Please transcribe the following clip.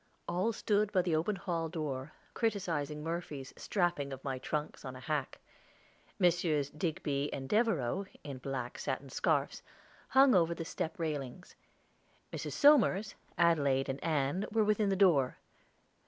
All stood by the open hall door, criticising Murphy's strapping of my trunks on a hack. Messrs. Digby and Devereaux, in black satin scarfs, hung over the step railings; Mrs. Somers, Adelaide, and Ann were within the door.